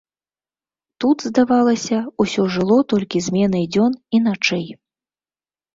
Тут, здавалася, усё жыло толькі зменай дзён і начэй.